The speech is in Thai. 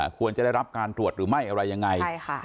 ควรจะได้รับการตรวจหรือไม่อะไรยังไง